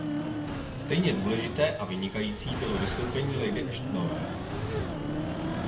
Stejně důležité a vynikající bylo vystoupení lady Ashtonové.